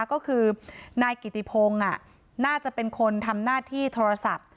ก็คือนายกิติพงศ์น่าจะเป็นคนทำหน้าที่โทรศัพท์